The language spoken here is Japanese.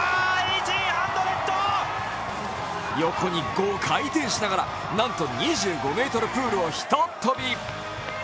横に５回転しながらなんと２５ｍプールをひとっ飛び。